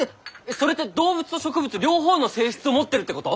それって動物と植物両方の性質を持ってるってこと？